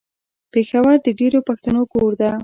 پېښور د ډېرو پښتنو کور ده.